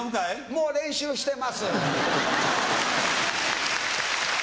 もう練習してます。